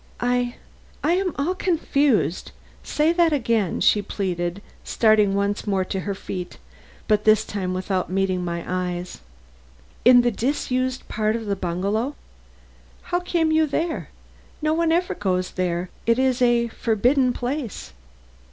"I I am all confused. Say that again," she pleaded, starting once more to her feet, but this time without meeting my eyes. "In the disused part of the bungalow? How came you there? No one ever goes there it is a forbidden place."